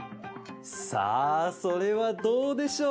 さあそれはどうでしょう？